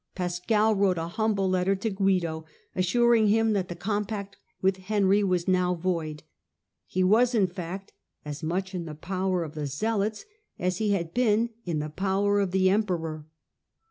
Pascal wrote a humble letter to Guido, assuring him that the compact with Henry was now void. He was, in fact, as much in the power of the zealots as he had been in the power of the emperor.